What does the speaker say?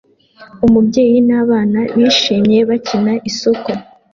Umubyeyi nabana bishimye bakina isoko